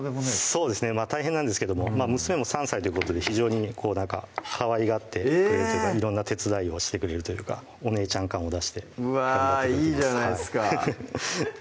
そうですね大変なんですけども娘も３歳ということで非常にかわいがってくれるというか色んな手伝いをしてくれるというかお姉ちゃん感を出してうわいいじゃないですか